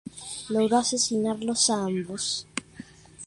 Logró asesinarlos a ambos.